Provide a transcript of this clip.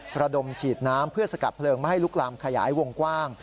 ระดมฉีดน้ำเพื่อสกัดเพลิงไม่ให้ลุกลามขยายวงกว้าง